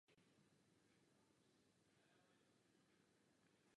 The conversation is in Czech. Král však jejich poselství nedbal.